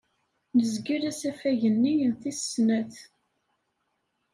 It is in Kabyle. Nezgel asafag-nni n tis snat.